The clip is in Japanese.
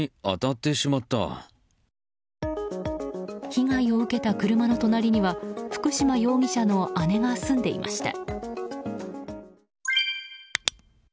被害を受けた車の隣には福嶋容疑者の姉が住んでいました。